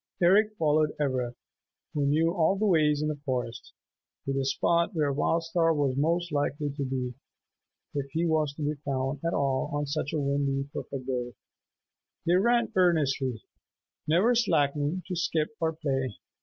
Eric followed Ivra, who knew all the ways in the forest, to the spot where Wild Star was most likely to be, if he was to be found at all on such a windy, perfect day. They ran earnestly, never slackening to skip or play.